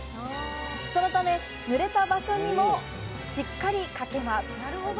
そのため、ぬれた場所にもしっかり書けます。